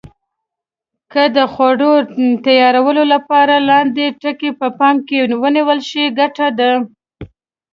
که د خوړو تیارولو لپاره لاندې ټکي په پام کې ونیول شي ګټه ده.